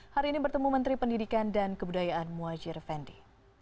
hari ini bertemu menteri pendidikan dan kebudayaan muhajir fendi